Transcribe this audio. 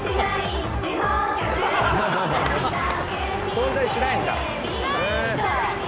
存在しないんだ。